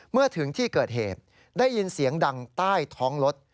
เมื่อถึงที่เกิดเหตุได้ยินเสียงดังใต้ท้องรถ